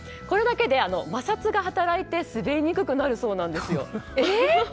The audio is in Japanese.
これだけで摩擦が働いて滑りにくくなるそうなんですよ。